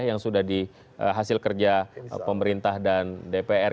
yang sudah dihasil kerja pemerintah dan dpr